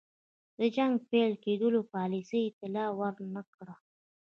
د جنګ د پیل کېدلو پالیسۍ اطلاع ور نه کړه.